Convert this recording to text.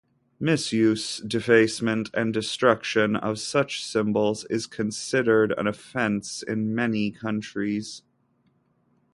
Misuse, defacement and destruction of such symbols is considered an offense in many countries.